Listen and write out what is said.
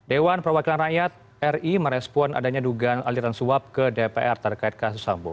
dewan perwakilan rakyat ri merespon adanya dugaan aliran suap ke dpr terkait kasus sambo